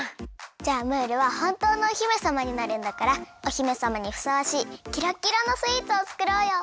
じゃあムールはほんとうのお姫さまになるんだからお姫さまにふさわしいキラキラのスイーツをつくろうよ。